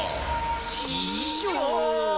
ししょう！